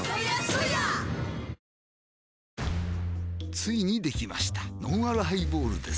ついにできましたのんあるハイボールです